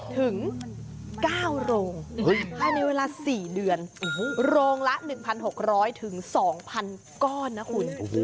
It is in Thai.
ถึงเก้าโรงในเวลาสี่เดือนโรงละหนึ่งพันหกร้อยถึงสองพันก้อนนะคุณ